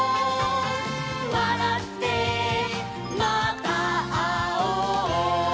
「わらってまたあおう」